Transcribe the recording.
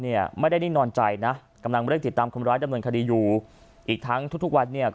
อีกทั้งทุกวันเนี่ย